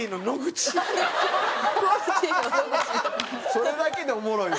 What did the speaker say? それだけでおもろいわ。